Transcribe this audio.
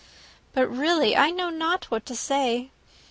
But, really, I know not what to say.